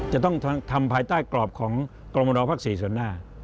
จะต้องทำภายใต้กรอบของกรมนภ๔ส่วนหน้า